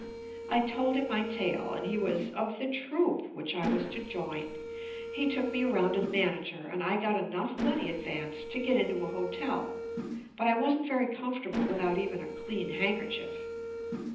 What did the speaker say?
I told him my tale and he was "of the troupe" which I was to join. He took me around to the manager and I got enough money advanced to get into a hotel, but I wasn't very comfortable with out even a clean handkerchief.